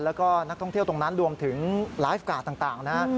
แล้วก็นักท่องเที่ยวตรงนั้นรวมถึงไลฟ์การ์ดต่างนะฮะ